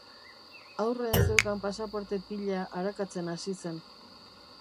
Aurrean zeukan pasaporte pila arakatzen hasi zen.